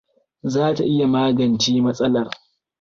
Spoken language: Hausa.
Za ta iya magance matsalar.